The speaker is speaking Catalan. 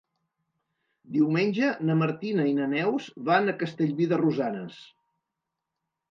Diumenge na Martina i na Neus van a Castellví de Rosanes.